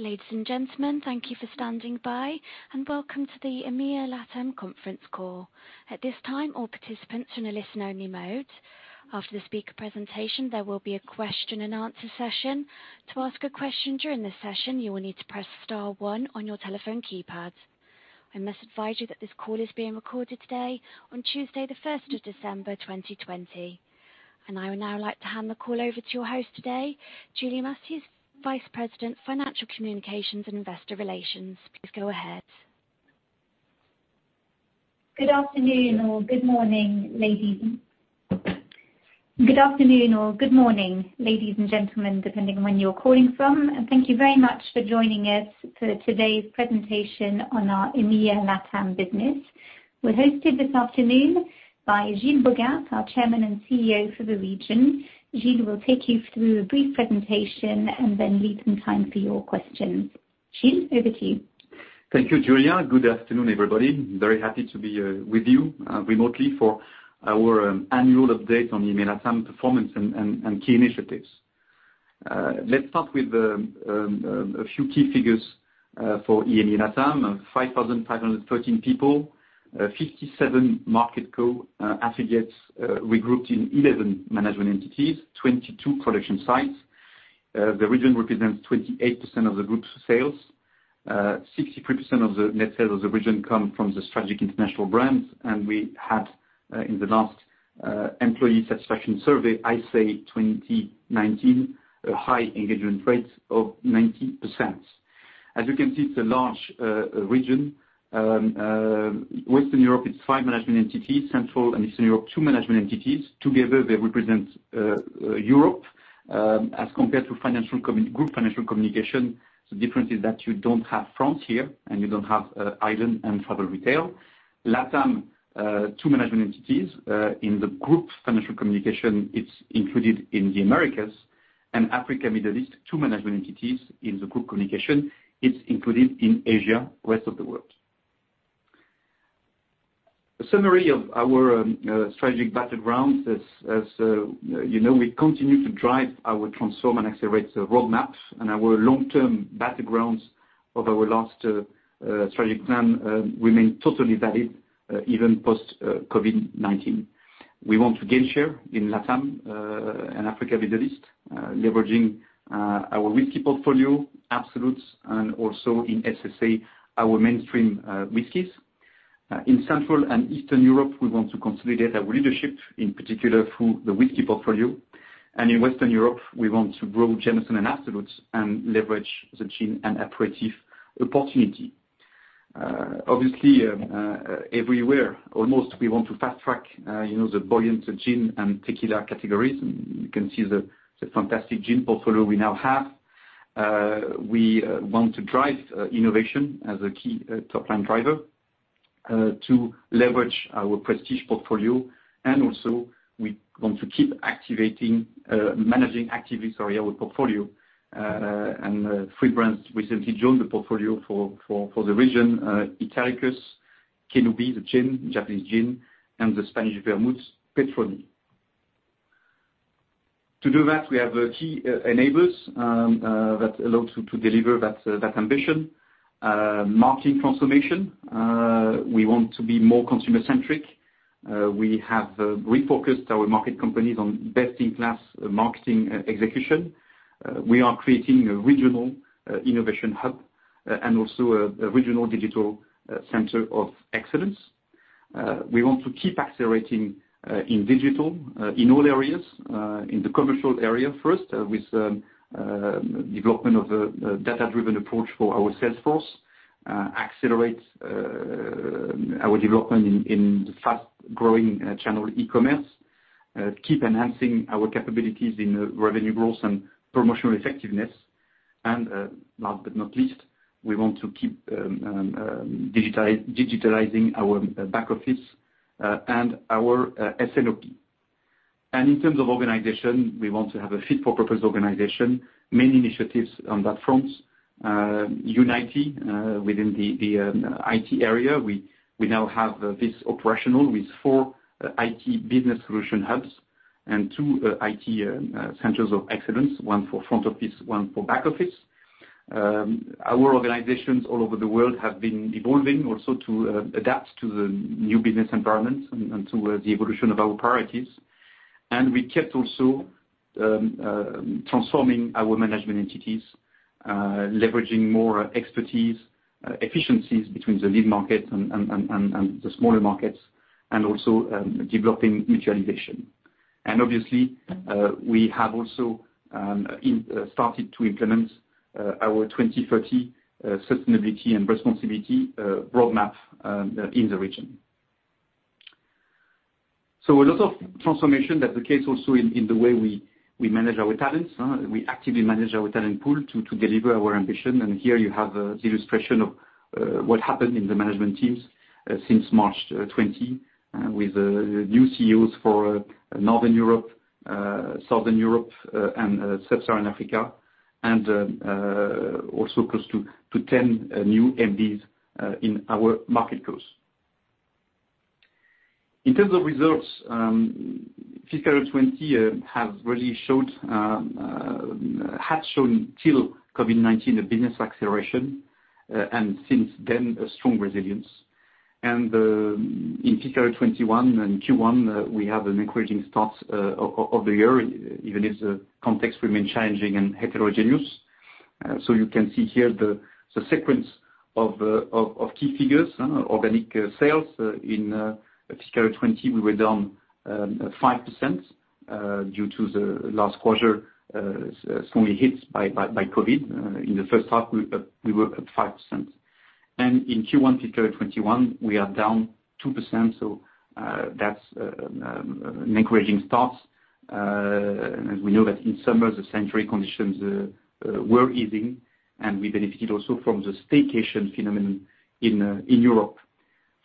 Ladies and gentlemen, thank you for standing by, and welcome to the Pernod Ricard EMEA LATAM conference call. At this time, all participants are in a listen-only mode. After the speaker presentation, there will be a question and answer session. To ask a question during the session, you will need to press star one on your telephone keypad. I must advise you that this call is being recorded today, on Tuesday the 1st of December, 2020. I would now like to hand the call over to your host today, Julia Massies, Vice President, Financial Communications and Investor Relations. Please go ahead. Good afternoon or good morning, ladies and gentlemen, depending on where you're calling from. Thank you very much for joining us for today's presentation on our EMEA LATAM business. We are hosted this afternoon by Gilles Bogaert, our Chairman and CEO for the region. Gilles will take you through a brief presentation and then leave some time for your questions. Gilles, over to you. Thank you, Julia. Good afternoon, everybody. Very happy to be here with you, remotely for our annual update on EMEA LATAM performance and key initiatives. Let's start with a few key figures for EMEA LATAM. 5,513 people, 57 market co-affiliates regrouped in 11 management entities, 22 production sites. The region represents 28% of the group's sales. 63% of the net sales of the region come from the strategic international brands. We had, in the last employee satisfaction survey, I say 2019, a high engagement rate of 90%. As you can see, it's a large region. Western Europe, it's five management entities. Central and Eastern Europe, two management entities. Together, they represent Europe. As compared to group financial communication, the difference is that you don't have France here, and you don't have Ireland and travel retail. LATAM, two management entities. In the group's financial communication, it's included in the Americas. Africa, Middle East, two management entities. In the group communication, it's included in Asia, rest of the world. A summary of our strategic battlegrounds, as you know, we continue to drive our Transform & Accelerate the roadmaps. Our long-term battlegrounds of our last strategic plan remain totally valid, even post-COVID-19. We want to gain share in LATAM and Africa, Middle East, leveraging our whiskey portfolio, Absolut, and also in SSA, our mainstream whiskeys. In Central and Eastern Europe, we want to consolidate our leadership, in particular through the whiskey portfolio. In Western Europe, we want to grow Jameson and Absolut and leverage the gin and aperitif opportunity. Obviously, everywhere, almost, we want to fast track the buoyant gin and tequila categories. You can see the fantastic gin portfolio we now have. We want to drive innovation as a key top-line driver to leverage our prestige portfolio. We want to keep managing actively our portfolio. Three brands recently joined the portfolio for the region, Italicus, KI NO BI, the gin, Japanese gin, and the Spanish vermouth, St. Petroni. To do that, we have key enablers that allow to deliver that ambition. Marketing transformation. We want to be more consumer-centric. We have refocused our market companies on best-in-class marketing execution. We are creating a regional innovation hub and also a regional digital center of excellence. We want to keep accelerating in digital, in all areas. In the commercial area first, with development of a data-driven approach for our sales force. Accelerate our development in the fast-growing channel, e-commerce. Keep enhancing our capabilities in revenue growth and promotional effectiveness. Last but not least, we want to keep digitalizing our back office and our S&OP. In terms of organization, we want to have a fit-for-purpose organization. Many initiatives on that front. UNITE! within the IT area. We now have this operational with four IT business solution hubs and two IT centers of excellence, one for front office, one for back office. Our organizations all over the world have been evolving also to adapt to the new business environment and to the evolution of our priorities. We kept also transforming our management entities, leveraging more expertise, efficiencies between the lead market and the smaller markets, and also developing mutualization. Obviously, we have also started to implement our 2030 sustainability and responsibility roadmap in the region. A lot of transformation. That's the case also in the way we manage our talents. We actively manage our talent pool to deliver our ambition. Here you have the illustration of what happened in the management teams since March 2020, with new CEOs for Northern Europe, Southern Europe, and Sub-Saharan Africa, and also close to 10 new MDs in our market cos. In terms of results, fiscal 2020 has really shown till COVID-19 the business acceleration, and since then, a strong resilience. In fiscal 2021 and Q1, we have an encouraging start of the year, even if the context remains challenging and heterogeneous. You can see here the sequence of key figures. Organic sales in fiscal 2020, we were down 5% due to the last quarter strongly hit by COVID. In the first half, we were up 5%. In Q1 fiscal 2021, we are down 2%, that's an encouraging start. As we know that in summer, the sanitary conditions were easing, and we benefited also from the staycation phenomenon in Europe.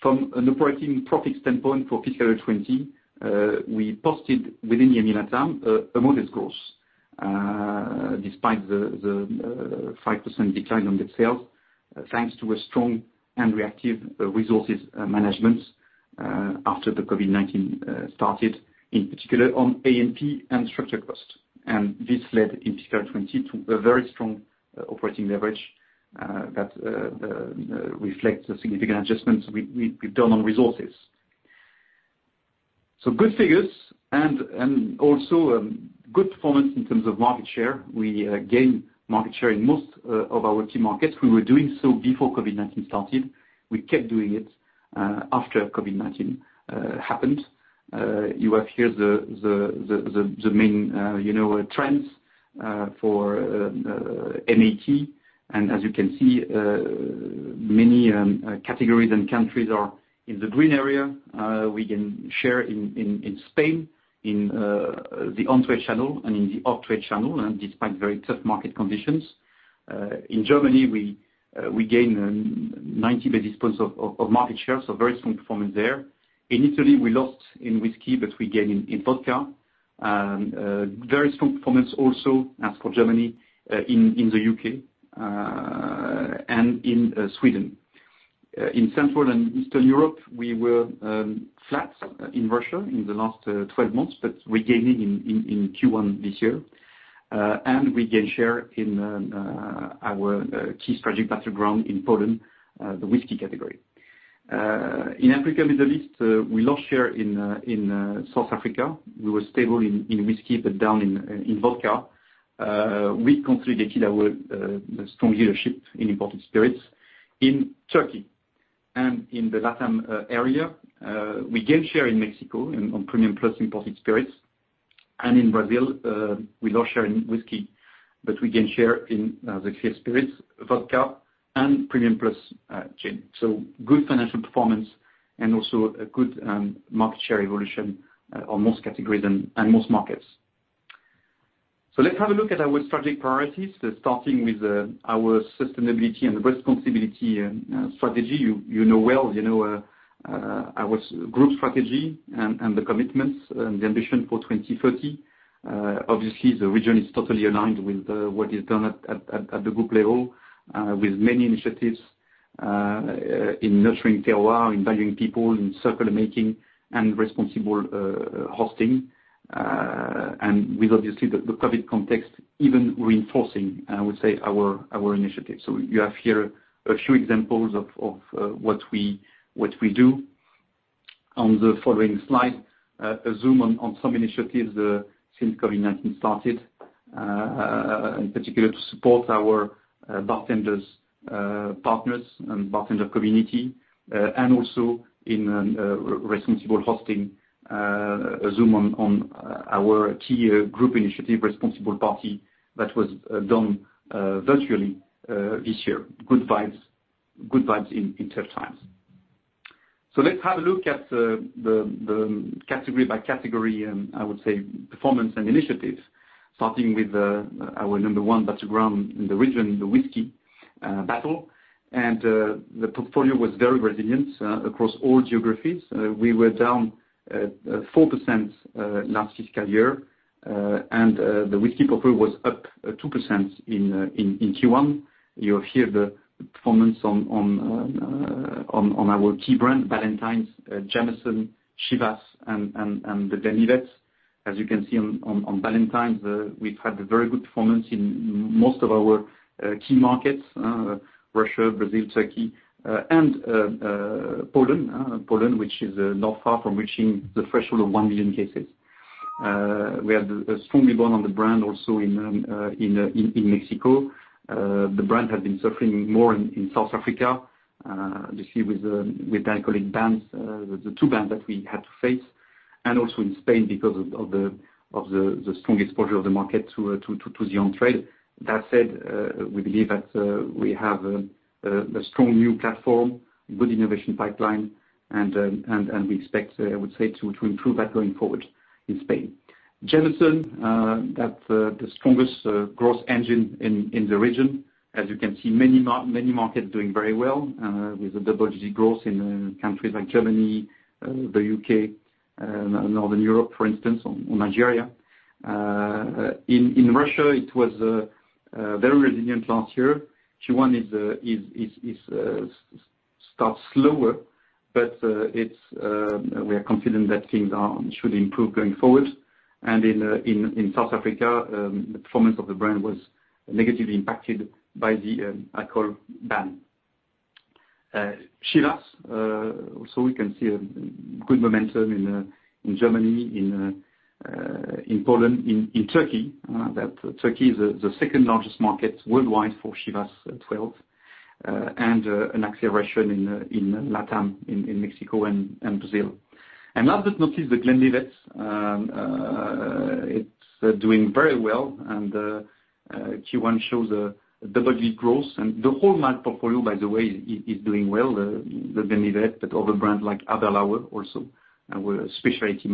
From an operating profit standpoint for fiscal 2020, we posted within the EMEA/LATAM a modest growth despite the 5% decline on the sales, thanks to a strong and reactive resources management after the COVID-19 started, in particular on A&P and structural cost. This led in fiscal 2020 to a very strong operating leverage that reflects the significant adjustments we've done on resources. Good figures and also good performance in terms of market share. We gained market share in most of our key markets. We were doing so before COVID-19 started. We kept doing it after COVID-19 happened. You have here the main trends for MAT. As you can see, many categories and countries are in the green area. We gain share in Spain, in the on-trade channel and in the off-trade channel, despite very tough market conditions. In Germany, we gained 90 basis points of market share, very strong performance there. In Italy, we lost in whiskey, we gained in vodka. Very strong performance also, as for Germany, in the U.K., and in Sweden. In Central and Eastern Europe, we were flat in Russia in the last 12 months, we gained it in Q1 this year. We gain share in our key strategic battleground in Poland, the whiskey category. In Africa, Middle East, we lost share in South Africa. We were stable in whiskey, down in vodka. We consolidated our strong leadership in imported spirits in Turkey. In the LATAM area, we gain share in Mexico on premium plus imported spirits. In Brazil, we lost share in whiskey, but we gain share in the clear spirits, vodka, and premium plus gin. Good financial performance and also a good market share evolution on most categories and most markets. Let's have a look at our strategic priorities, starting with our sustainability and responsibility strategy. You know well our group strategy and the commitments and the ambition for 2030. The region is totally aligned with what is done at the group level, with many initiatives in nurturing terroir, in valuing people, in circular making and responsible hosting, and with, obviously, the COVID context even reinforcing, I would say, our initiative. You have here a few examples of what we do. On the following slide, a zoom on some initiatives since COVID-19 started, in particular to support our bartenders partners and bartender community, and also in responsible hosting, a zoom on our key group initiative, Responsible Party, that was done virtually this year. Good vibes in tough times. Let's have a look at the category by category, I would say, performance and initiatives, starting with our number one battleground in the region, the whiskey battle. The portfolio was very resilient across all geographies. We were down 4% last fiscal year. The whiskey portfolio was up 2% in Q1. You have here the performance on our key brand, Ballantine's, Jameson, Chivas Regal, and The Glenlivet. As you can see on Ballantine's, we've had a very good performance in most of our key markets, Russia, Brazil, Turkey, and Poland. Poland, which is not far from reaching the threshold of one million cases. We have strongly grown on the brand also in Mexico. The brand had been suffering more in South Africa, this year with the alcoholic bans, the two bans that we had to face, and also in Spain because of the strong exposure of the market to the on-trade. We believe that we have a strong new platform, good innovation pipeline and we expect, I would say, to improve that going forward in Spain. Jameson, that the strongest growth engine in the region. As you can see, many markets doing very well with a double-digit growth in countries like Germany, the U.K., Northern Europe, for instance, Nigeria. In Russia, it was very resilient last year. Q1 starts slower, we are confident that things should improve going forward. In South Africa, the performance of the brand was negatively impacted by the alcohol ban. Chivas, we can see a good momentum in Germany, in Poland, in Turkey. Turkey is the second largest market worldwide for Chivas Regal 12, and an acceleration in LATAM, in Mexico and Brazil. Another notice, The Glenlivet. It's doing very well, and Q1 shows a double-digit growth. The whole malt portfolio, by the way, is doing well, The Glenlivet, but other brands like Aberlour also, our specialty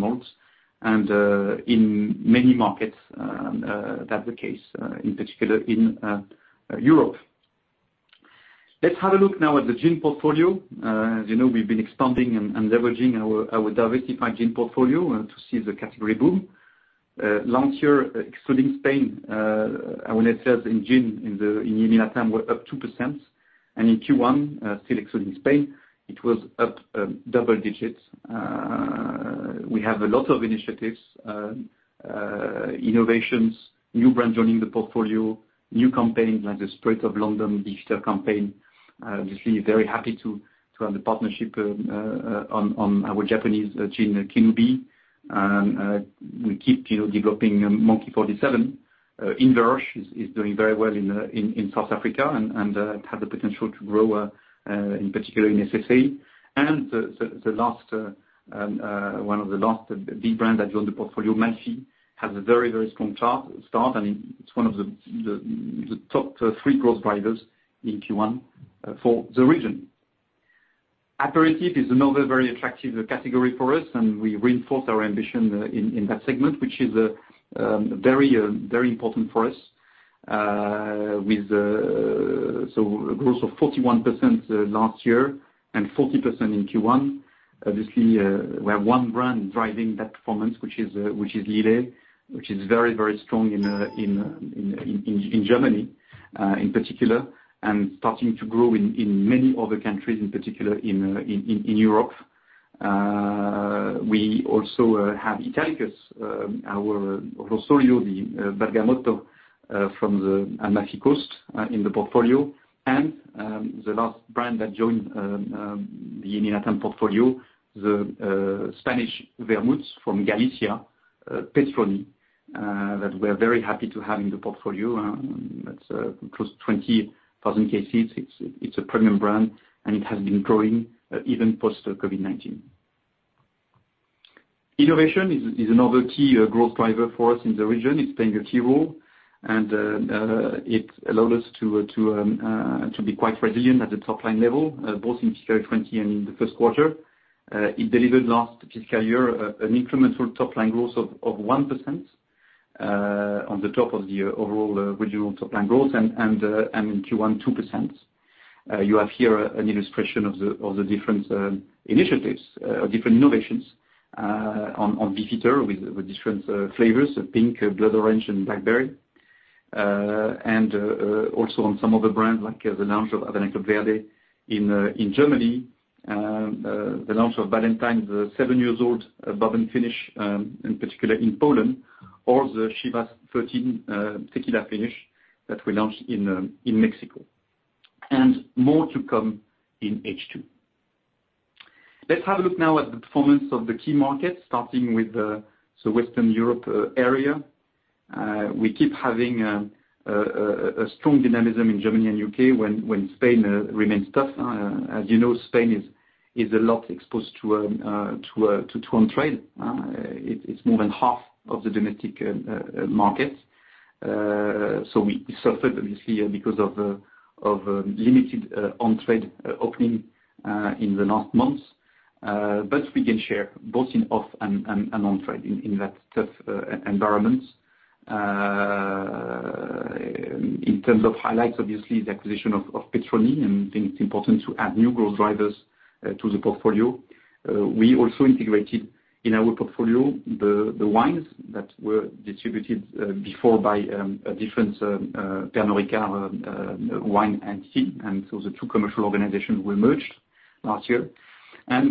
malts. In many markets, that's the case, in particular in Europe. Let's have a look now at the gin portfolio. As you know, we've been expanding and leveraging our diversified gin portfolio to see the category boom. Last year, excluding Spain, our net sales in gin in the LATAM were up 2%. In Q1, still excluding Spain, it was up double digits. We have a lot of initiatives, innovations, new brands joining the portfolio, new campaigns like The Spirit of London digital campaign. Obviously, very happy to have the partnership on our Japanese gin, KI NO BI. We keep developing Monkey 47. Inverroche is doing very well in South Africa, and it has the potential to grow, in particular in SSA. One of the last big brands that joined the portfolio, Malfy Gin, has a very strong start, and it's one of the top three growth drivers in Q1 for the region. Aperitif is another very attractive category for us, and we reinforce our ambition in that segment, which is very important for us, with a growth of 41% last year and 40% in Q1. Obviously, we have one brand driving that performance, which is Lillet, which is very strong in Germany, in particular, and starting to grow in many other countries, in particular in Europe. We also have Italicus, our Rosolio di Bergamotto from the Amalfi Coast in the portfolio. The last brand that joined the LATAM portfolio, the Spanish vermouth from Galicia, St. Petroni, that we're very happy to have in the portfolio. That's close to 20,000 cases. It's a premium brand, and it has been growing even post-Covid-19. Innovation is another key growth driver for us in the region. It's playing a key role, and it allowed us to be quite resilient at the top-line level, both in fiscal 2020 and in the first quarter. It delivered last fiscal year an incremental top-line growth of 1% on the top of the overall regional top-line growth, and in Q1, 2%. You have here an illustration of the different initiatives, different innovations on Beefeater with different flavors, pink, blood orange, and blackberry. Also on some other brands, like the launch of Amaro Averna in Germany, the launch of Ballantine's, the seven-years-old bourbon finish, in particular in Poland. The Chivas Regal 13 Tequila Cask Finish that we launched in Mexico. More to come in H2. Let's have a look now at the performance of the key markets, starting with the Western Europe area. We keep having a strong dynamism in Germany and U.K. when Spain remains tough. As you know, Spain is a lot exposed to on-trade. It's more than half of the domestic market. We suffered, obviously, because of limited on-trade opening in the last months. We gain share both in off and on-trade in that tough environment. In terms of highlights, obviously, the acquisition of St. Petroni, and I think it's important to add new growth drivers to the portfolio. We also integrated in our portfolio the wines that were distributed before by a different Pernod Ricard wine entity. The two commercial organizations were merged last year.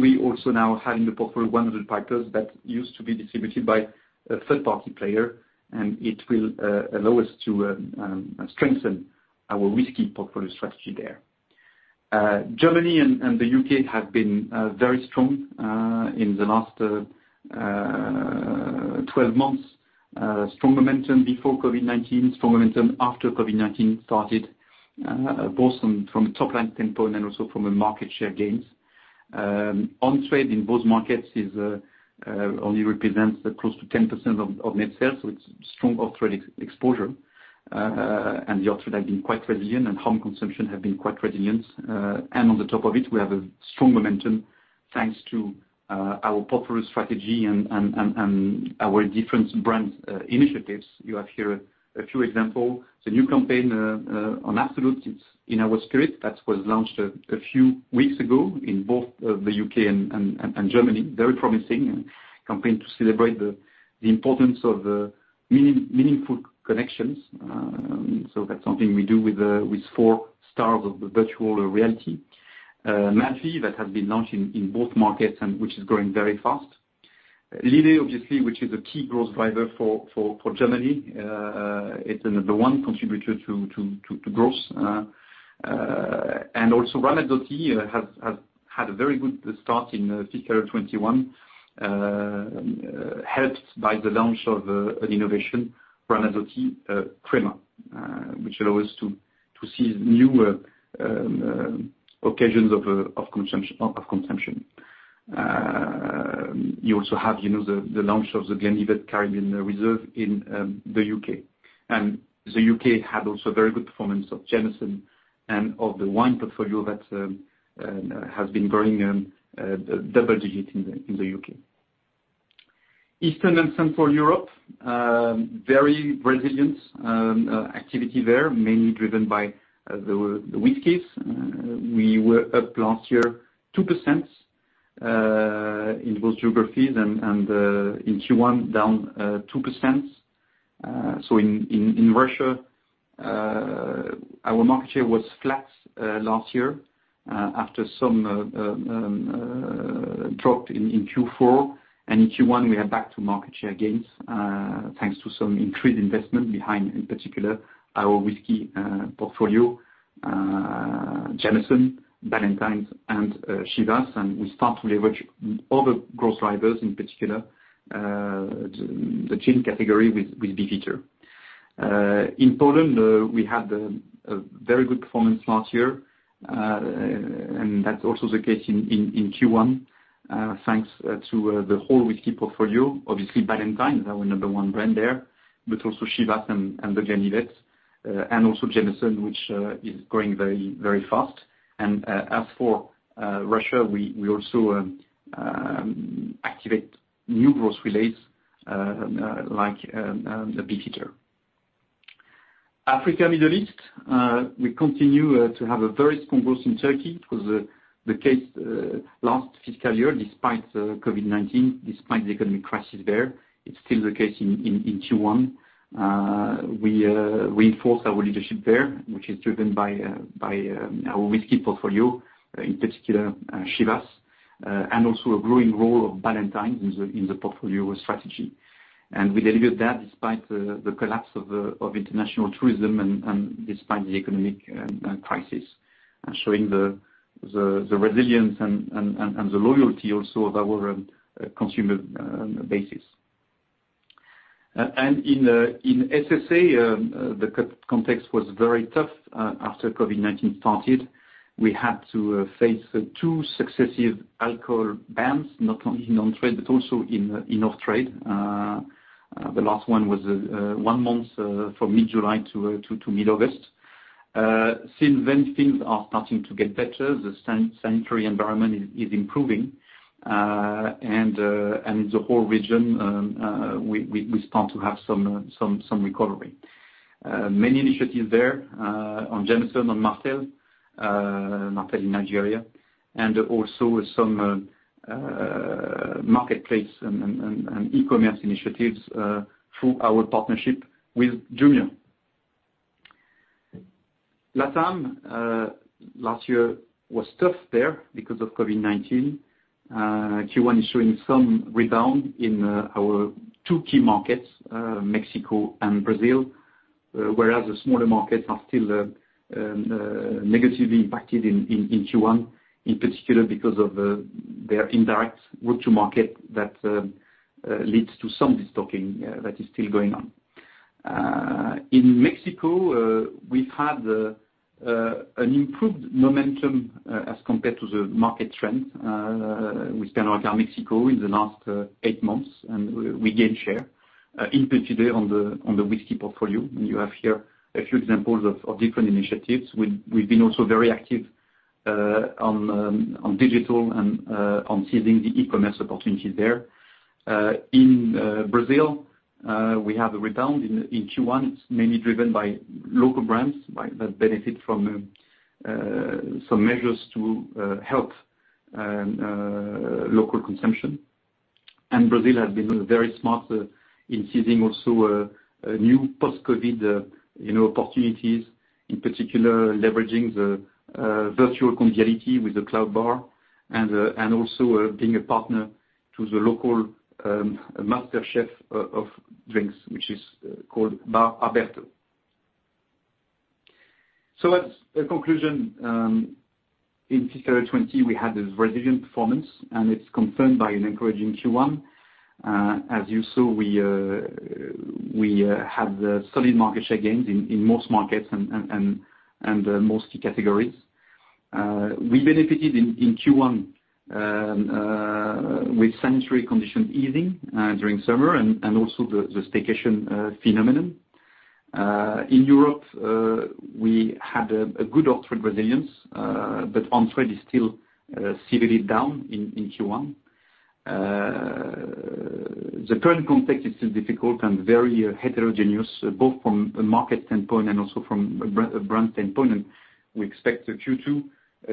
We also now have in the portfolio 100 Pipers that used to be distributed by a third-party player, and it will allow us to strengthen our whiskey portfolio strategy there. Germany and the U.K. have been very strong in the last 12 months. Strong momentum before Covid-19, strong momentum after Covid-19 started, both from a top-line tempo and also from a market share gains. On-trade in both markets only represents close to 10% of net sales, so it's strong off-trade exposure. The off-trade have been quite resilient, and home consumption have been quite resilient. On the top of it, we have a strong momentum thanks to our popular strategy and our different brand initiatives. You have here a few example. The new campaign on Absolut, it's in Our Spirit, that was launched a few weeks ago in both the U.K. and Germany. Very promising campaign to celebrate the importance of meaningful connections. That's something we do with four stars of virtual reality. Malfy, that has been launched in both markets and which is growing very fast. Lillet, obviously, which is a key growth driver for Germany. It's the number one contributor to growth. Also Ramazzotti has had a very good start in fiscal 2021, helped by the launch of an innovation, Ramazzotti Crema which allow us to see new occasions of consumption. You also have the launch of The Glenlivet Caribbean Reserve in the U.K. The U.K. had also very good performance of Jameson and of the wine portfolio that has been growing double digit in the U.K. Eastern and Central Europe, very resilient activity there, mainly driven by the whiskeys. We were up last year 2% in both geographies and in Q1 down 2%. In Russia, our market share was flat last year after some drop in Q4. In Q1 we are back to market share gains, thanks to some increased investment behind, in particular, our whiskey portfolio, Jameson, Ballantine's and Chivas Regal. We start to leverage other growth drivers, in particular, the gin category with Beefeater. In Poland, we had a very good performance last year, and that's also the case in Q1, thanks to the whole whiskey portfolio, obviously Ballantine's our number one brand there, but also Chivas Regal and the Glenlivet, and also Jameson, which is growing very fast. As for Russia, we also activate new growth relays like the Beefeater. Africa, Middle East, we continue to have a very strong growth in Turkey. It was the case last fiscal year, despite COVID-19, despite the economic crisis there. It's still the case in Q1. We reinforce our leadership there, which is driven by our whiskey portfolio, in particular Chivas, and also a growing role of Ballantine's in the portfolio strategy. We delivered that despite the collapse of international tourism and despite the economic crisis, and showing the resilience and the loyalty also of our consumer base. In SSA, the context was very tough. After COVID-19 started, we had to face two successive alcohol bans, not only in on-trade but also in off-trade. The last one was one month, from mid-July to mid-August. Since then, things are starting to get better. The sanitary environment is improving. The whole region, we start to have some recovery. Many initiatives there on Jameson, on Martell in Nigeria, and also some marketplace and e-commerce initiatives through our partnership with Jumia. LATAM, last year was tough there because of COVID-19. Q1 is showing some rebound in our two key markets, Mexico and Brazil. Whereas the smaller markets are still negatively impacted in Q1, in particular because of their indirect route to market that leads to some destocking that is still going on. In Mexico, we've had an improved momentum as compared to the market trend with Pernod Ricard Mexico in the last eight months, and we gain share in particular on the whiskey portfolio. You have here a few examples of different initiatives. We've been also very active on digital and on seizing the e-commerce opportunities there. In Brazil, we have a rebound in Q1. It's mainly driven by local brands that benefit from some measures to help local consumption. Brazil has been very smart in seizing also a new post-COVID opportunities, in particular leveraging the virtual conviviality with The Cloud Bar and also being a partner to the local master chef of drinks, which is called Bar Aberto. As a conclusion, in fiscal 2020, we had this resilient performance, and it's confirmed by an encouraging Q1. As you saw, we have the solid market share gains in most markets and most key categories. We benefited in Q1. With sanitary condition easing during summer and also the staycation phenomenon. In Europe, we had a good off-trade resilience, but on-trade is still severely down in Q1. The current context is still difficult and very heterogeneous, both from a market standpoint and also from a brand standpoint. We expect the Q2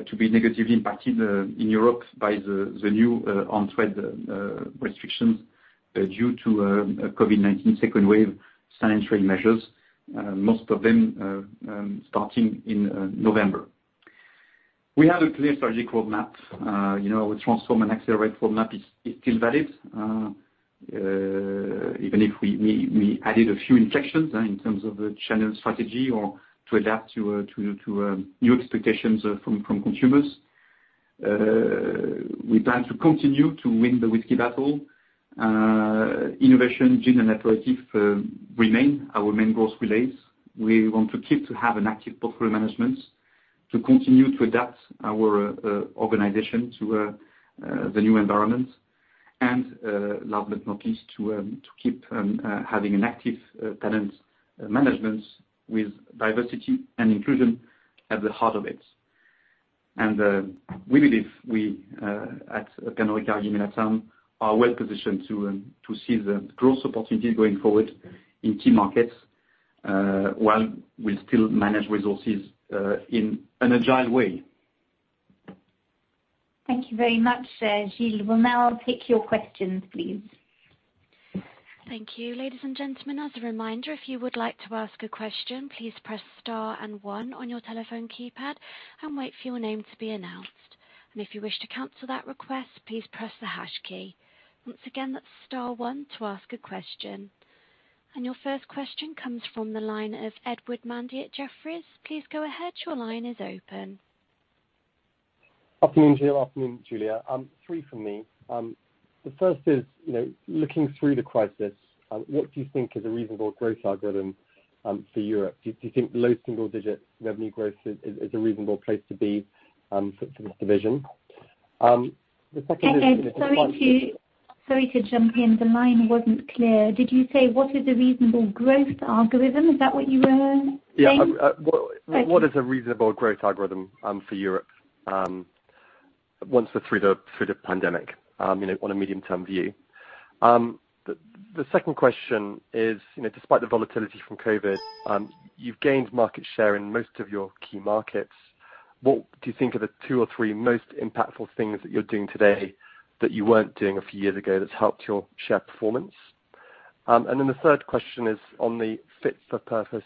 to be negatively impacted in Europe by the new on-trade restrictions due to COVID-19 second wave sanitary measures, most of them starting in November. We have a clear strategic roadmap. Our Transform & Accelerate roadmap is still valid, even if we added a few injections in terms of the channel strategy or to adapt to new expectations from consumers. We plan to continue to win the whiskey battle. Innovation, gin, and aperitif remain our main growth relays. We want to keep to have an active portfolio management, to continue to adapt our organization to the new environment, and last but not least, to keep having an active talent management with diversity and inclusion at the heart of it. We believe we, at Pernod Ricard EMEA LATAM, are well positioned to see the growth opportunities going forward in key markets while we still manage resources in an agile way. Thank you very much, Gilles. We'll now take your questions, please. Thank you. Ladies and gentlemen, as a reminder, if you would like to ask a question, please press star and one on your telephone keypad and wait for your name to be announced. If you wish to cancel that request, please press the hash key. Once again, that's star one to ask a question. Your first question comes from the line of Edward Mundy at Jefferies. Please go ahead. Your line is open. Afternoon, Gilles. Afternoon, Julia. Three from me. The first is, looking through the crisis, what do you think is a reasonable growth algorithm for Europe? Do you think low single-digit revenue growth is a reasonable place to be for this division? Sorry to jump in. The line wasn't clear. Did you say what is a reasonable growth algorithm? Is that what you were saying? Yeah. What is a reasonable growth algorithm for Europe once through the pandemic on a medium-term view? The second question is, despite the volatility from COVID, you've gained market share in most of your key markets. What do you think are the two or three most impactful things that you're doing today that you weren't doing a few years ago that's helped your share performance? The third question is on the fit for purpose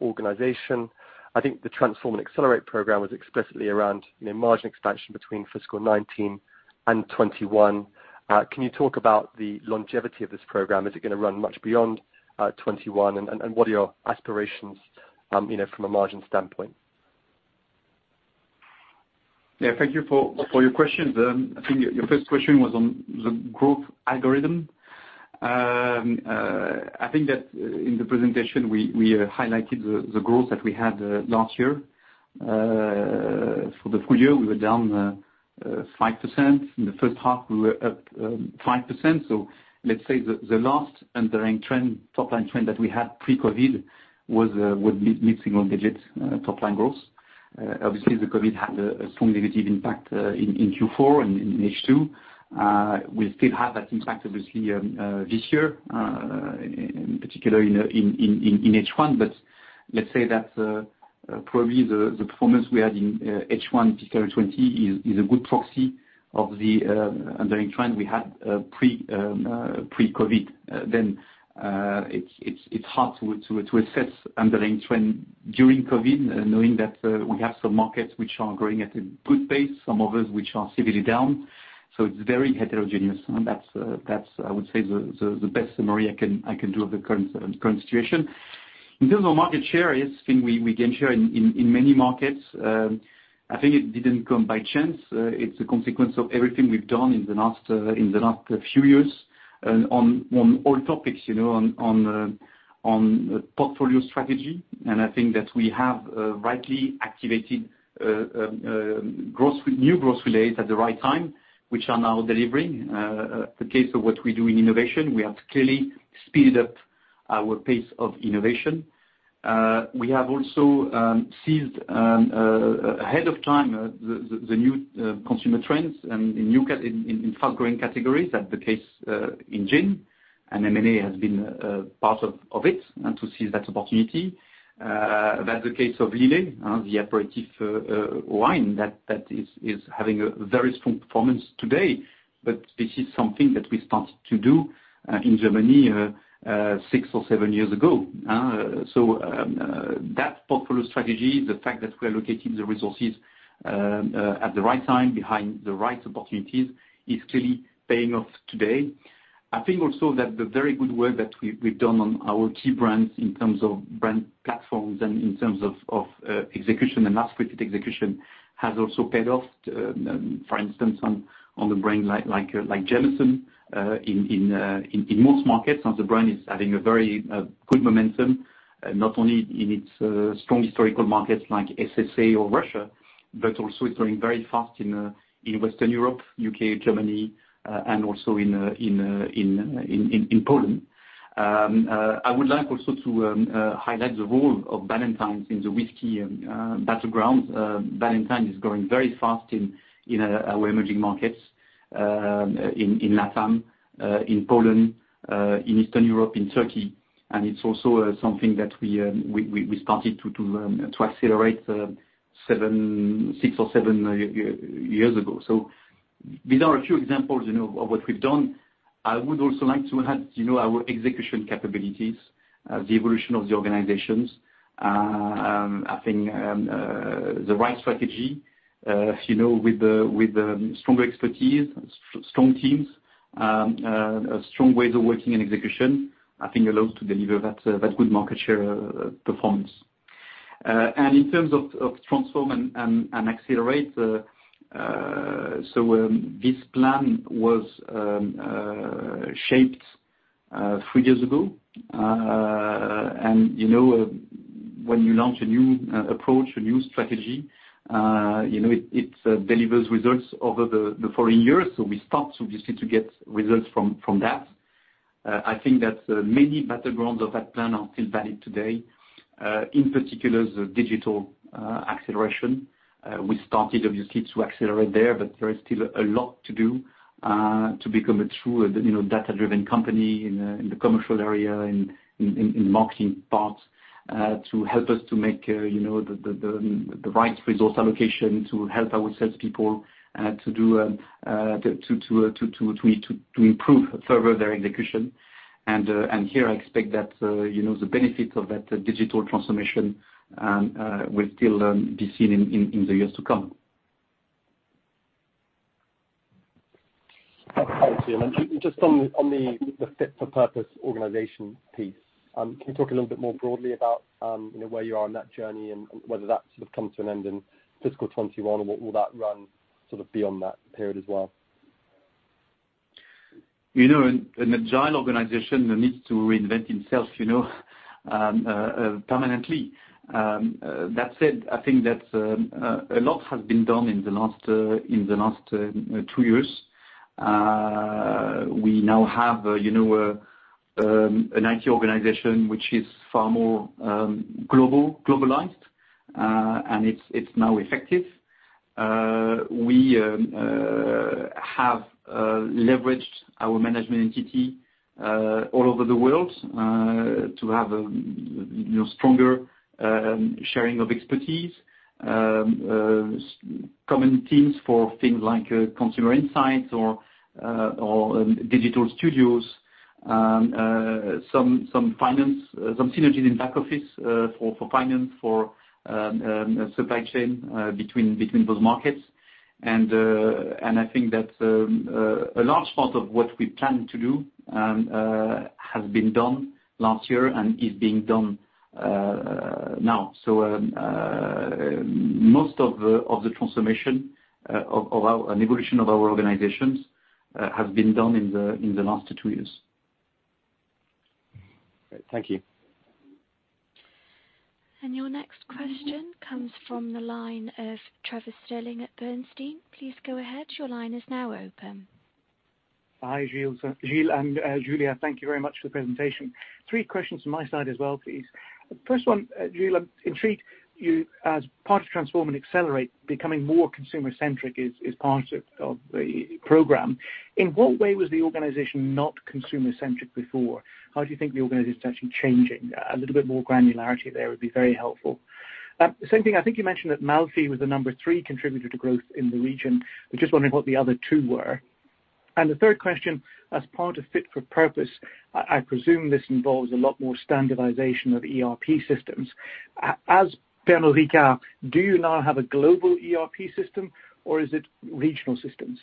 organization. I think the Transform & Accelerate program was explicitly around margin expansion between fiscal 2019 and 2021. Can you talk about the longevity of this program? Is it going to run much beyond 2021? What are your aspirations from a margin standpoint? Yeah. Thank you for your questions. I think your first question was on the growth algorithm. I think that in the presentation, we highlighted the growth that we had last year. For the full year, we were down 5%. In the first half, we were up 5%. Let's say the last underlying top-line trend that we had pre-COVID was mid-single digits top-line growth. Obviously, the COVID had a strong negative impact in Q4 and in H2. We still have that impact, obviously, this year, in particular in H1. Let's say that probably the performance we had in H1 2020 is a good proxy of the underlying trend we had pre-COVID. It's hard to assess underlying trend during COVID, knowing that we have some markets which are growing at a good pace, some others which are severely down. It's very heterogeneous. That's, I would say, the best summary I can do of the current situation. In terms of market share, yes, I think we gained share in many markets. I think it didn't come by chance. It's a consequence of everything we've done in the last few years on all topics, on portfolio strategy. I think that we have rightly activated new growth relays at the right time, which are now delivering, the case of what we do in innovation. We have clearly speeded up our pace of innovation. We have also seized ahead of time the new consumer trends and in fast-growing categories. That's the case in gin, and M&A has been a part of it, and to seize that opportunity. That's the case of Lillet, the aperitif wine that is having a very strong performance today. This is something that we started to do in Germany six or seven years ago. That portfolio strategy, the fact that we are locating the resources at the right time behind the right opportunities, is clearly paying off today. I think also that the very good work that we've done on our key brands in terms of brand platforms and in terms of execution and (last quarter execution) has also paid off. For instance, on the brand like Jameson, in most markets, now the brand is having a very good momentum, not only in its strong historical markets like SSA or Russia, but also it's growing very fast in Western Europe, U.K., Germany, and also in Poland. I would like also to highlight the role of Ballantine's in the whiskey battleground. Ballantine's is growing very fast in our emerging markets, in LATAM, in Poland, in Eastern Europe, in Turkey. It's also something that we started to accelerate six or seven years ago. These are a few examples of what we've done. I would also like to add our execution capabilities, the evolution of the organizations. I think the right strategy, with the stronger expertise, strong teams, strong ways of working and execution, I think allows to deliver that good market share performance. In terms of Transform & Accelerate program, this plan was shaped three years ago. When you launch a new approach, a new strategy, it delivers results over the following years. We start, obviously, to get results from that. I think that many battlegrounds of that plan are still valid today, in particular the digital acceleration. We started, obviously, to accelerate there, but there is still a lot to do to become a true data-driven company in the commercial area, in marketing part, to help us to make the right resource allocation to help our salespeople to improve further their execution. Here, I expect that the benefit of that digital transformation will still be seen in the years to come. Thanks, Gilles. Just on the fit for purpose organization piece, can you talk a little bit more broadly about where you are on that journey and whether that sort of come to an end in fiscal 2021, or will that run sort of beyond that period as well? An agile organization needs to reinvent itself permanently. That said, I think that a lot has been done in the last two years. We now have an IT organization which is far more globalized, and it's now effective. We have leveraged our management entity all over the world to have stronger sharing of expertise, common teams for things like consumer insights or digital studios, some synergies in back office for finance, for supply chain between those markets. I think that a large part of what we plan to do has been done last year and is being done now. Most of the transformation and evolution of our organizations has been done in the last two years. Great. Thank you. Your next question comes from the line of Trevor Stirling at Bernstein. Please go ahead. Hi, Gilles and Julia. Thank you very much for the presentation. Three questions from my side as well, please. First one, Gilles, I'm intrigued, as part of Transform & Accelerate program, becoming more consumer-centric is part of the program. In what way was the organization not consumer-centric before? How do you think the organization is actually changing? A little bit more granularity there would be very helpful. Same thing, I think you mentioned that Malfy was the number three contributor to growth in the region. I'm just wondering what the other two were. The third question, as part of fit for purpose, I presume this involves a lot more standardization of ERP systems. As Pernod Ricard, do you now have a global ERP system or is it regional systems?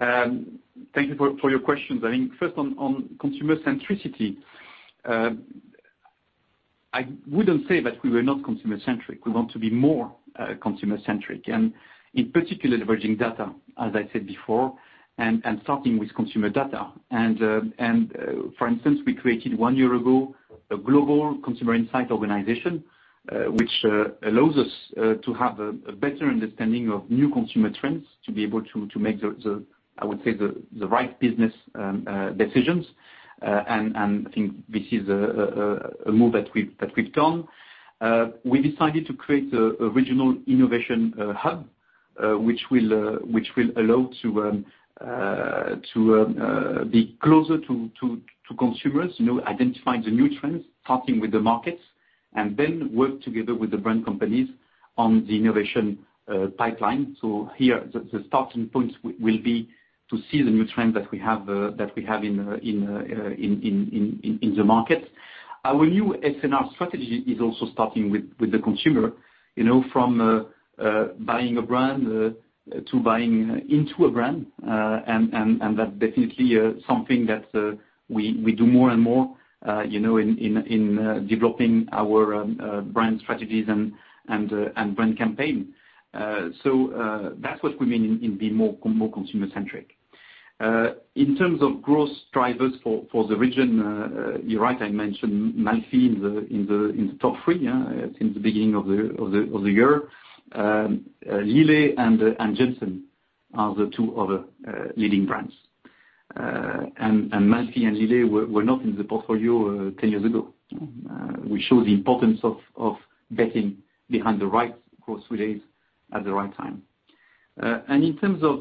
Thank you for your questions. On consumer centricity, I wouldn't say that we were not consumer centric. We want to be more consumer centric, and in particular leveraging data, as I said before, and starting with consumer data. For instance, we created one year ago a global consumer insight organization, which allows us to have a better understanding of new consumer trends to be able to make the, I would say, the right business decisions. This is a move that we've done. We decided to create a regional innovation hub, which will allow to be closer to consumers, identifying the new trends, starting with the markets, and then work together with the brand companies on the innovation pipeline. Here, the starting point will be to see the new trend that we have in the market. Our new S&R strategy is also starting with the consumer. From buying a brand to buying into a brand, that definitely something that we do more and more in developing our brand strategies and brand campaign. That's what we mean to be more consumer-centric. In terms of growth drivers for the region, you're right, I mentioned Malfy in the top three since the beginning of the year. Lillet and Jameson are the two other leading brands. Malfy and Lillet were not in the portfolio 10 years ago, which shows the importance of betting behind the right growth relays at the right time. In terms of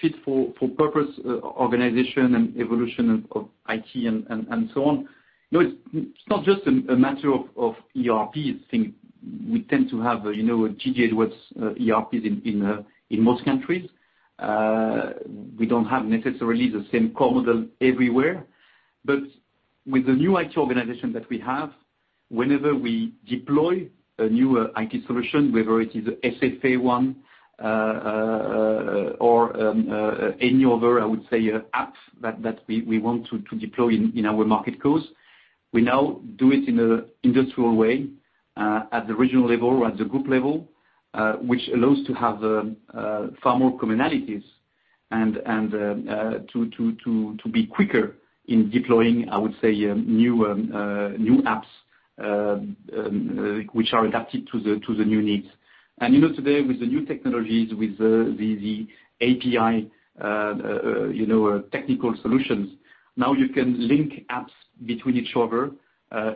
fit-for-purpose organization and evolution of IT and so on, it's not just a matter of ERPs. I think we tend to have a jumble with ERPs in most countries. We don't have necessarily the same core model everywhere. With the new IT organization that we have, whenever we deploy a new IT solution, whether it is a SFA One or any other, I would say, apps that we want to deploy in our market cos, we now do it in an industrial way, at the regional level or at the group level. Which allows to have far more commonalities and to be quicker in deploying, I would say, new apps which are adapted to the new needs. Today with the new technologies, with the API technical solutions, now you can link apps between each other,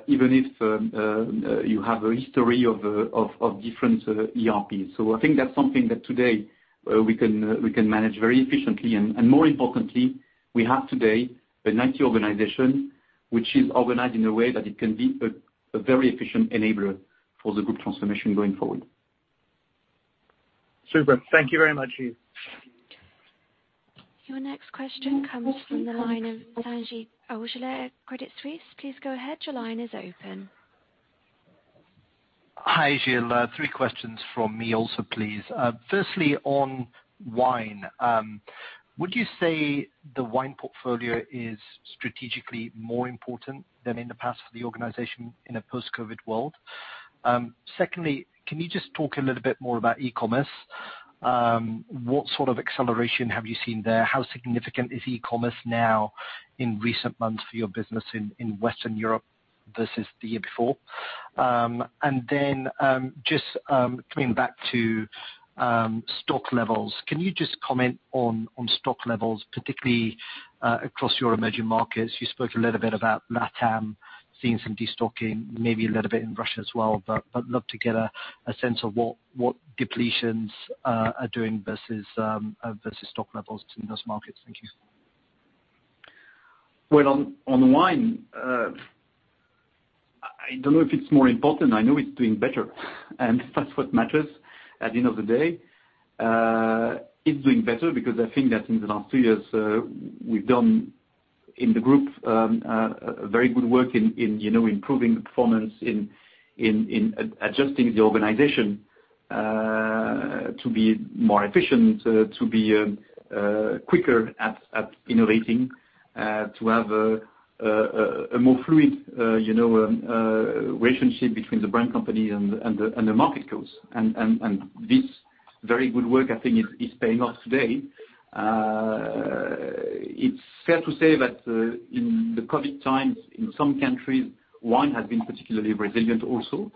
even if you have a history of different ERPs. I think that's something that today we can manage very efficiently and, more importantly, we have today an IT organization which is organized in a way that it can be a very efficient enabler for the group transformation going forward. Super. Thank you very much, Gilles. Your next question comes from the line of Sanjeet Aujla at Credit Suisse. Please go ahead. Hi, Gilles. Three questions from me also, please. Firstly, on wine. Would you say the wine portfolio is strategically more important than in the past for the organization in a post-COVID world? Secondly, can you just talk a little bit more about e-commerce? What sort of acceleration have you seen there? How significant is e-commerce now in recent months for your business in Western Europe versus the year before? Just coming back to stock levels. Can you just comment on stock levels, particularly across your emerging markets? You spoke a little bit about LATAM seeing some de-stocking, maybe a little bit in Russia as well, but I'd love to get a sense of what depletions are doing versus stock levels in those markets. Thank you. Well, on wine, I don't know if it's more important. I know it's doing better and that's what matters at the end of the day. It's doing better because I think that in the last two years, we've done in the group, very good work in improving the performance in adjusting the organization to be more efficient, to be quicker at innovating, to have a more fluid relationship between the brand company and the market codes. This very good work, I think, is paying off today. It's fair to say that in the COVID-19 times, in some countries, wine has been particularly resilient also,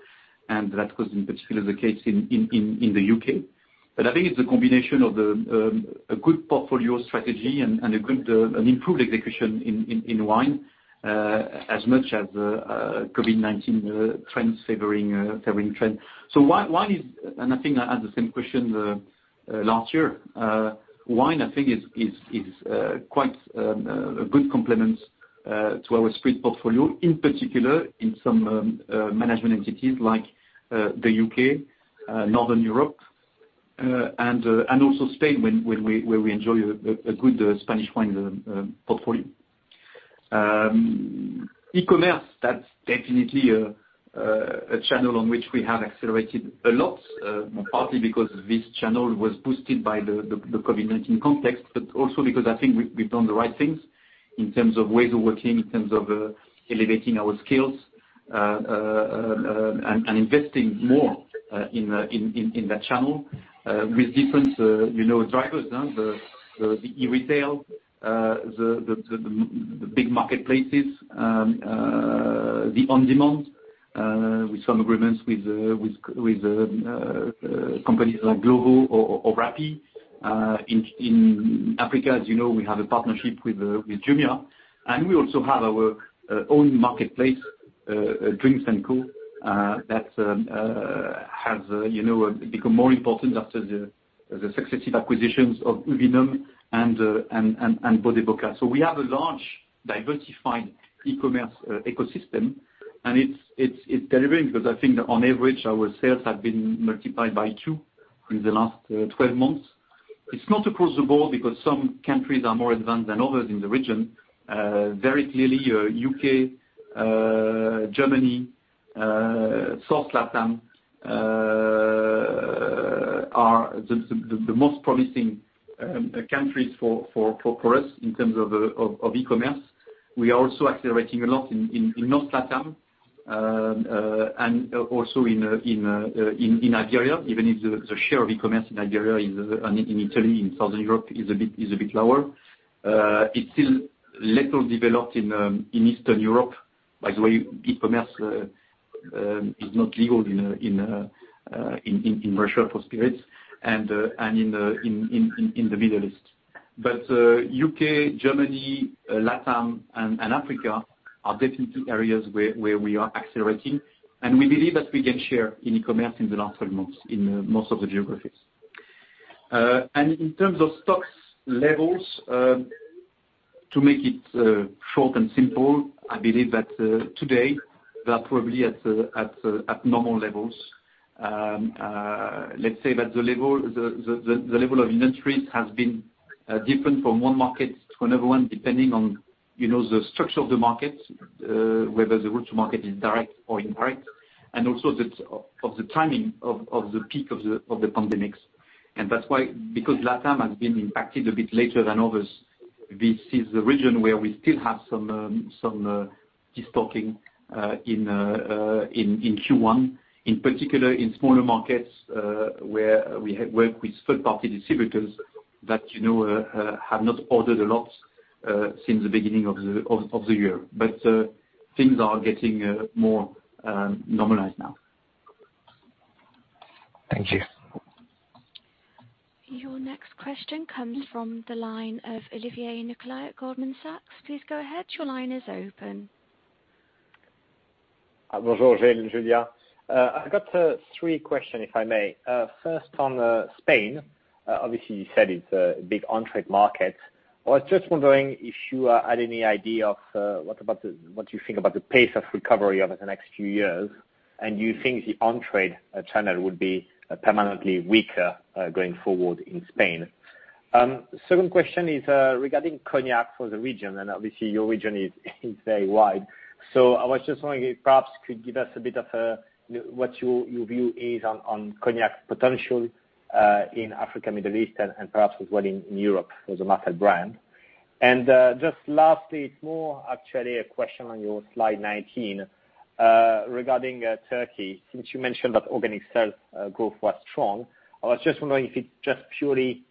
and that was in particular the case in the U.K. I think it's a combination of a good portfolio strategy and an improved execution in wine, as much as COVID-19 trends favoring trend. I think I had the same question last year. Wine, I think is quite a good complement to Our Spirit portfolio, in particular in some management entities like the U.K., Northern Europe, and also Spain, where we enjoy a good Spanish wine portfolio. E-commerce, that's definitely a channel on which we have accelerated a lot, partly because this channel was boosted by the COVID-19 context, but also because I think we've done the right things in terms of ways of working, in terms of elevating our skills, and investing more in that channel with different drivers. The e-retail, the big marketplaces, the on-demand with some agreements with companies like Glovo or Rappi. In Africa, as you know, we have a partnership with Jumia, and we also have our own marketplace, Drinks&Co, that has become more important after the successive acquisitions of Uvinum and Bodeboca. We have a large diversified e-commerce ecosystem, and it's delivering because I think on average, our sales have been multiplied by two in the last 12 months. It's not across the board because some countries are more advanced than others in the region. Very clearly, U.K., Germany, South LATAM are the most promising countries for us in terms of e-commerce. We are also accelerating a lot in North LATAM and also in Nigeria, even if the share of e-commerce in Nigeria and in Italy, in Southern Europe is a bit lower. It's still little developed in Eastern Europe. By the way, e-commerce is not legal in Russia for spirits and in the Middle East. U.K., Germany, LATAM and Africa are definitely areas where we are accelerating, and we believe that we gained share in e-commerce in the last 12 months in most of the geographies. In terms of stock levels, to make it short and simple, I believe that today they are probably at normal levels. Let's say that the level of inventories has been different from one market to another one, depending on the structure of the market, whether the route to market is direct or indirect, and also of the timing of the peak of the pandemic. That's why because LATAM has been impacted a bit later than others. This is the region where we still have some destocking in Q1, in particular in smaller markets, where we work with third-party distributors that have not ordered a lot since the beginning of the year. Things are getting more normalized now. Thank you. Your next question comes from the line of Olivier Nicolai at Goldman Sachs. Please go ahead. Your line is open. Bonjour Gilles, Julia. I got three question, if I may. First on Spain, obviously you said it's a big on-trade market. I was just wondering if you had any idea of what you think about the pace of recovery over the next few years, and you think the on-trade channel would be permanently weaker, going forward in Spain. Second question is regarding cognac for the region, and obviously your region is very wide. I was just wondering if perhaps could give us a bit of what your view is on cognac potential in Africa, Middle East and perhaps as well in Europe for the Martell brand. Just lastly, it's more actually a question on your slide 19 regarding Turkey, since you mentioned that organic sales growth was strong. I was just wondering if it's just purely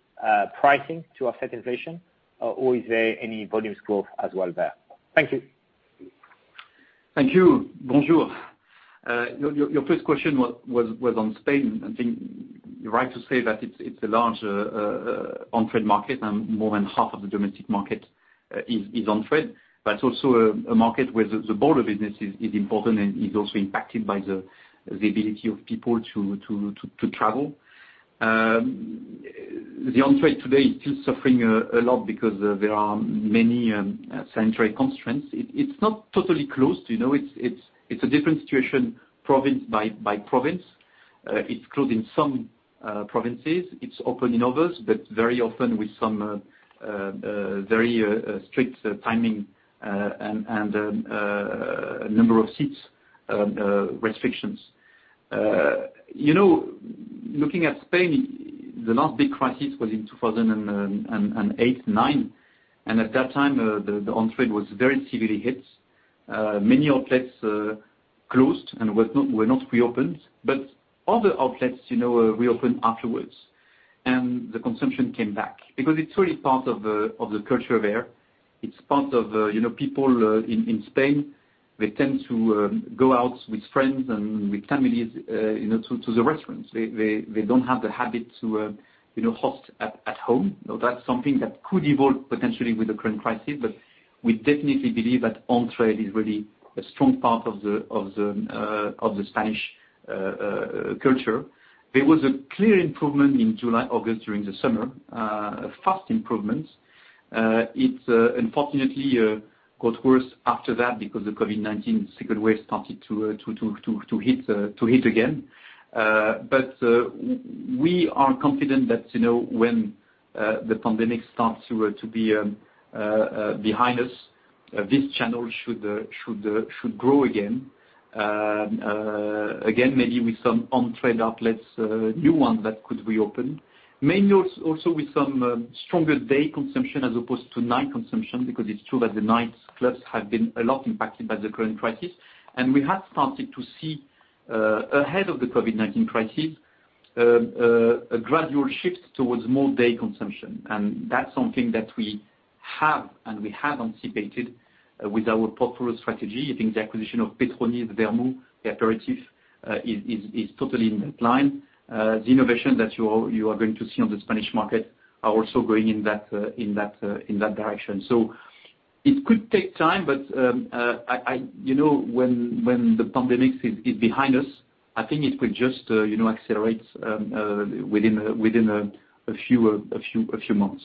pricing to offset inflation or is there any volumes growth as well there? Thank you. Thank you. Bonjour. Your first question was on Spain. I think you're right to say that it's a large on-trade market and more than half of the domestic market is on-trade, but also a market where the border business is important and is also impacted by the ability of people to travel. The on-trade today is still suffering a lot because there are many on-trade constraints. It's not totally closed. It's a different situation province by province. It's closed in some provinces, it's open in others, but very often with some very strict timing, and number of seats restrictions. Looking at Spain, the last big crisis was in 2008, 2009, and at that time, the on-trade was very severely hit. Many outlets closed and were not reopened. Other outlets reopened afterwards. The consumption came back. It's really part of the culture there. It's part of people in Spain, they tend to go out with friends and with families to the restaurants. They don't have the habit to host at home. Now, that's something that could evolve potentially with the current crisis, but we definitely believe that on-trade is really a strong part of the Spanish culture. There was a clear improvement in July, August during the summer, a fast improvement. It's unfortunately got worse after that because the COVID-19 second wave started to hit again. We are confident that when the pandemic starts to be behind us, this channel should grow again. Again, maybe with some on-trade outlets, new ones that could reopen. Mainly also with some stronger day consumption as opposed to night consumption, because it's true that the night clubs have been a lot impacted by the current crisis. We have started to see ahead of the COVID-19 crisis, a gradual shift towards more day consumption. That's something that we have anticipated with our portfolio strategy. I think the acquisition of St. Petroni Vermouth Aperitif, is totally in that line. The innovation that you are going to see on the Spanish market are also going in that direction. It could take time, but when the pandemic is behind us, I think it could just accelerate within a few months.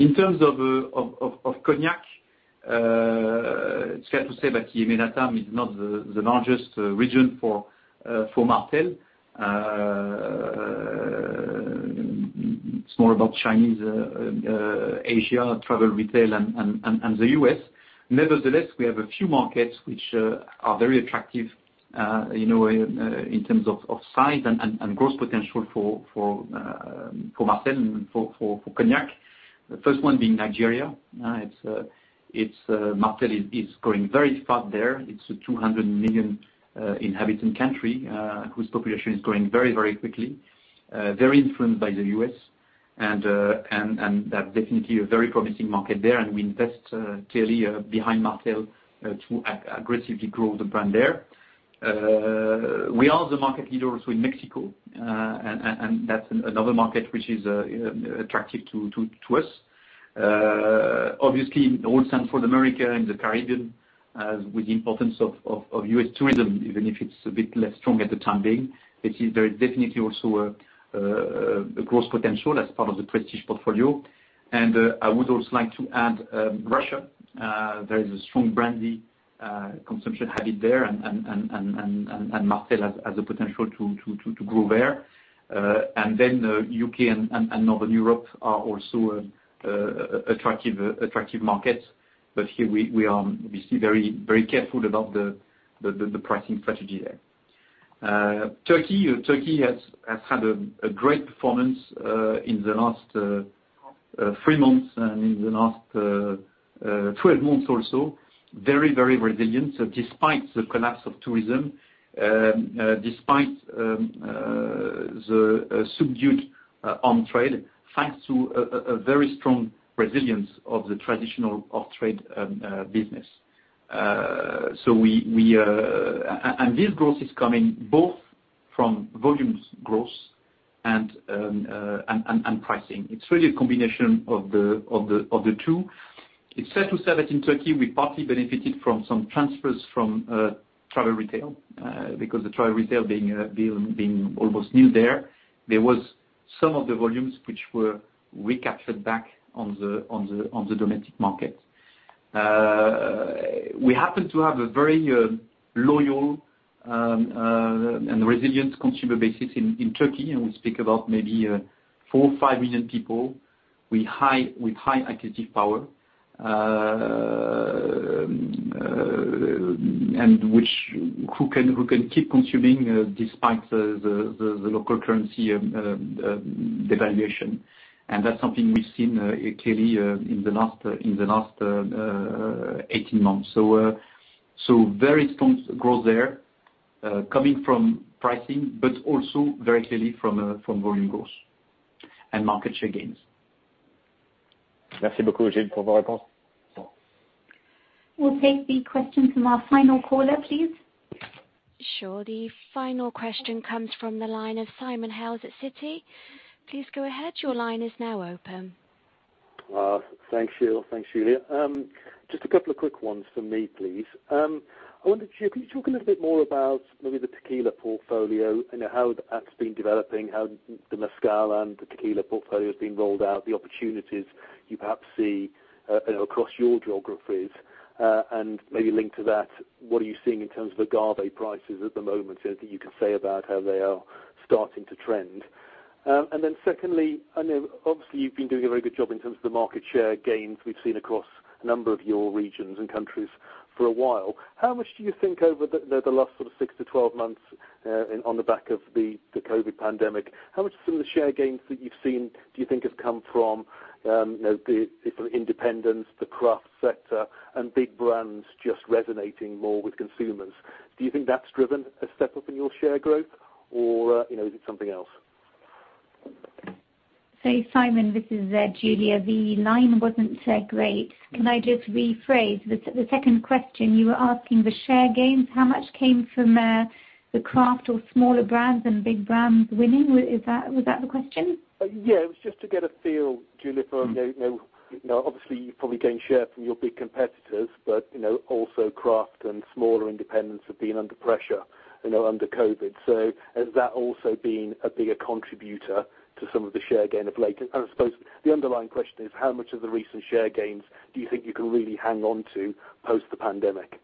In terms of cognac, it's fair to say that the EMEA/LATAM is not the largest region for Martell. It's more about Chinese, Asia, travel retail, and the U.S. Nevertheless, we have a few markets which are very attractive in terms of size and growth potential for Martell and for cognac. The first one being Nigeria. Martell is growing very fast there. It's a 200 million inhabitant country, whose population is growing very quickly, very influenced by the U.S., and that's definitely a very promising market there. We invest clearly behind Martell to aggressively grow the brand there. We are the market leaders in Mexico, and that's another market which is attractive to us. Obviously, all Central America and the Caribbean, with the importance of U.S. tourism, even if it's a bit less strong at the time being, it is very definitely also a growth potential as part of the prestige portfolio. I would also like to add Russia. There is a strong brandy consumption habit there and Martell has the potential to grow there. The U.K. and Northern Europe are also attractive markets. Here we are obviously very careful about the pricing strategy there. Turkey has had a great performance in the last three months and in the last 12 months also. Very resilient. Despite the collapse of tourism, despite the subdued on-trade, thanks to a very strong resilience of the traditional off-trade business. And this growth is coming both from volumes growth and pricing. It's really a combination of the two. It's fair to say that in Turkey, we partly benefited from some transfers from travel retail, because the travel retail being almost new there. There was some of the volumes which were recaptured back on the domestic market. We happen to have a very loyal and resilient consumer base in Turkey, and we speak about maybe four, five million people with high acquisitive power, who can keep consuming despite the local currency devaluation. And that's something we've seen clearly in the last 18 months. Very strong growth there, coming from pricing, but also very clearly from volume growth and market share gains. Merci beaucoup, Gilles, for your response. We'll take the question from our final caller, please. Sure. The final question comes from the line of Simon Hales at Citigroup. Please go ahead. Thanks, Julia. Just a couple of quick ones from me, please. I wonder, could you talk a little bit more about maybe the tequila portfolio? How that's been developing, how the mezcal and the tequila portfolio has been rolled out, the opportunities you perhaps see across your geographies. Maybe linked to that, what are you seeing in terms of agave prices at the moment, anything you can say about how they are starting to trend? Then secondly, I know obviously you've been doing a very good job in terms of the market share gains we've seen across a number of your regions and countries for a while. How much do you think over the last 6-12 months, on the back of the COVID pandemic, how much from the share gains that you've seen do you think have come from the independents, the craft sector, and big brands just resonating more with consumers? Do you think that's driven a step up in your share growth or is it something else? Sorry, Simon, this is Julia. The line wasn't great. Can I just rephrase? The second question you were asking the share gains, how much came from the craft or smaller brands than big brands winning? Was that the question? Yeah, it was just to get a feel, Julia, for obviously you're probably gaining share from your big competitors, but also craft and smaller independents have been under pressure under COVID. Has that also been a bigger contributor to some of the share gain of late? I suppose the underlying question is how much of the recent share gains do you think you can really hang on to post the pandemic?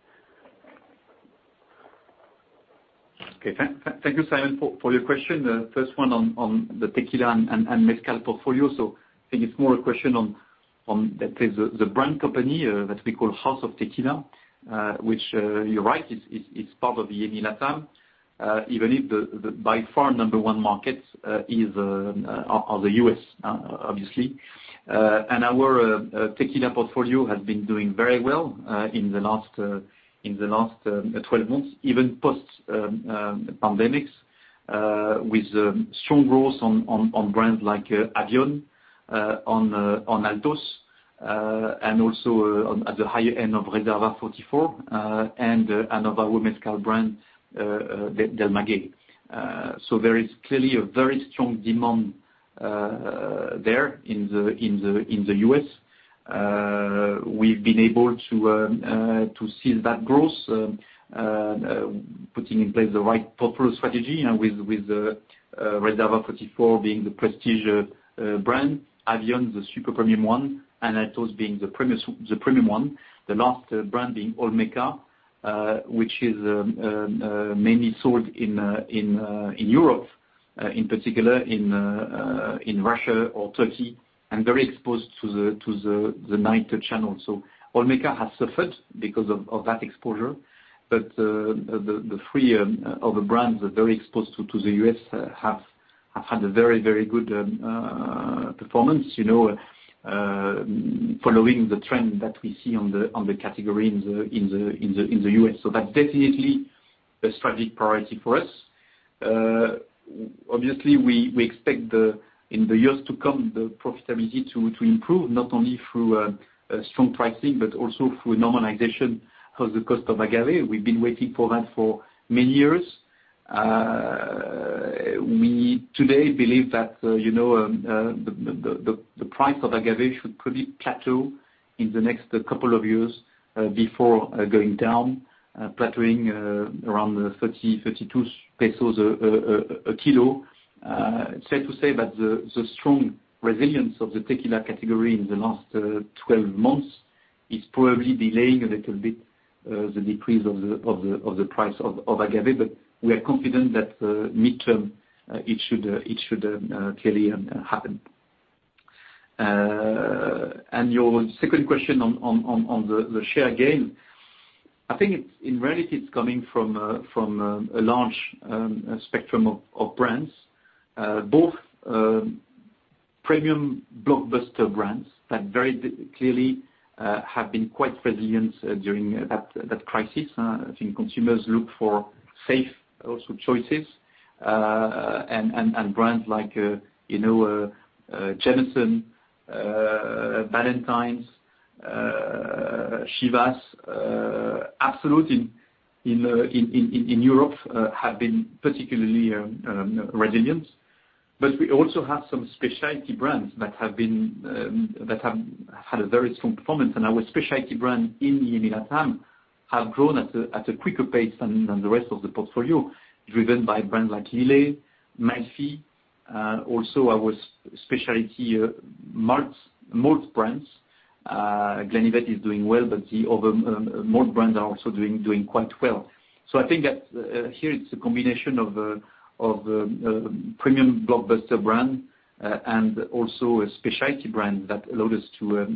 Okay. Thank you, Simon, for your question. The first one on the tequila and mezcal portfolio. I think it's more a question on the brand company that we call House of Tequila, which you're right, is part of the EMEA LATAM. Even if the by far number one market is the U.S., obviously. Our tequila portfolio has been doing very well in the last 12 months, even post pandemics, with strong growth on brands like Avión, on Altos, and also at the higher end of Avión Reserva 44, and of our mezcal brand, Del Maguey. There is clearly a very strong demand there in the U.S. We've been able to seal that growth, putting in place the right portfolio strategy with Avión Reserva 44 being the prestige brand, Avión the super premium one, and Altos being the premium one, the last brand being Olmeca Tequila, which is mainly sold in Europe, in particular in Russia or Turkey, and very exposed to the night channel. Olmeca Tequila has suffered because of that exposure. The three other brands that are very exposed to the U.S. have had a very good performance, following the trend that we see on the category in the U.S. That's definitely a strategic priority for us. Obviously, we expect in the years to come, the profitability to improve, not only through strong pricing, but also through normalization of the cost of agave. We've been waiting for that for many years. We today believe that the price of agave should probably plateau in the next couple of years before going down, plateauing around 30, 32 pesos a kilo. It's fair to say that the strong resilience of the tequila category in the last 12 months is probably delaying a little bit the decrease of the price of agave. We are confident that midterm, it should clearly happen. Your second question on the share gain. I think in reality, it's coming from a large spectrum of brands, both premium blockbuster brands that very clearly have been quite resilient during that crisis. I think consumers look for safe also choices, and brands like Jameson, Ballantine's, Chivas, Absolut in Europe have been particularly resilient. We also have some specialty brands that have had a very strong performance. Our specialty brand in LATAM have grown at a quicker pace than the rest of the portfolio, driven by brands like Lillet, Malfy. Also our specialty malt brands. The Glenlivet is doing well, but the other malt brands are also doing quite well. I think that here it's a combination of premium blockbuster brand and also a specialty brand that allowed us to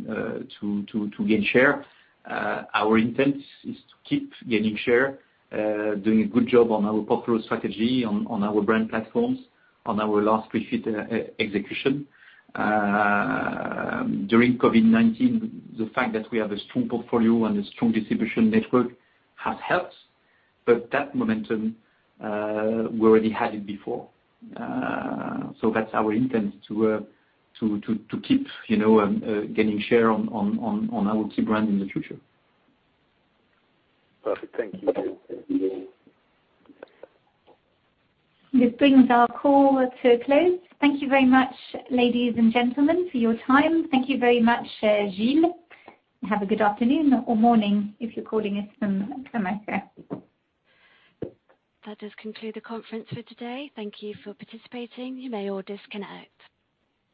gain share. Our intent is to keep gaining share, doing a good job on our portfolio strategy, on our brand platforms, on our last three feet execution. During COVID-19, the fact that we have a strong portfolio and a strong distribution network has helped. That momentum, we already had it before. That's our intent to keep gaining share on our key brands in the future. Perfect. Thank you, Gilles. This brings our call to a close. Thank you very much, ladies and gentlemen, for your time. Thank you very much, Gilles. Have a good afternoon or morning if you're calling us from America. That does conclude the conference for today. Thank you for participating. You may all disconnect.